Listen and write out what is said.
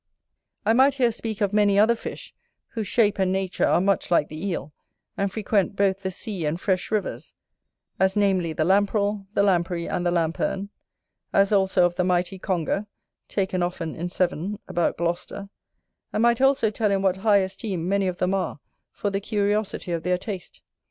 I might here speak of many other fish, whose shape and nature are much like the Eel, and frequent both the sea and fresh rivers; as, namely, the Lamprel, the Lamprey, and the Lamperne: as also of the mighty Conger, taken often in Severn, about Gloucester: and might also tell in what high esteem many of them are for the curiosity of their taste.